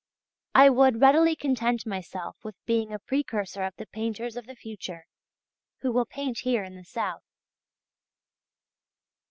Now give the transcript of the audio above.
I would readily content myself with being a precursor of the painters of the future who will paint here in the south.